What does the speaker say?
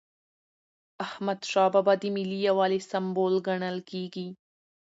احمدشاه بابا د ملي یووالي سمبول ګڼل کېږي.